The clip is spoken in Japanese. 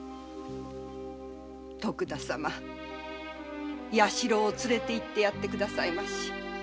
徳田様弥四郎を連れて行ってやって下さいまし。